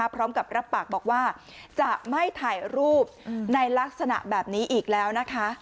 พร้อมกับรับปากบอกว่าจะไม่ถ่ายรูปในลักษณะแบบนี้อีกแล้วนะคะ